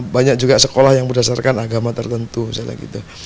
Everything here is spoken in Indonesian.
banyak juga sekolah yang berdasarkan agama tertentu misalnya gitu